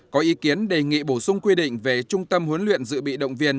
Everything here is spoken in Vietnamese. có ý kiến đề nghị bổ sung quy định về trung tâm huấn luyện dự bị động viên